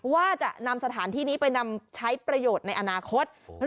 ว่าจะนำสถานที่นี้ไปนำใช้ประโยชน์ในอนาคต